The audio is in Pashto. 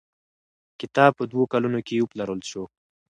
کتاب په دوو کلونو کې وپلورل شو.